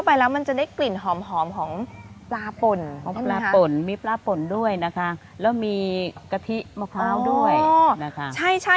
ซับต้มกับโจ๊กนะแม่นะ